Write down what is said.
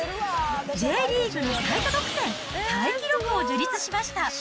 Ｊリーグの最多得点、タイ記録を樹立しました。